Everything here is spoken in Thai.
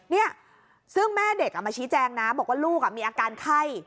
เนี่ยซึ่งแม่เด็กมาชี้แจงนะบอกว่าลูกมีอาการไข้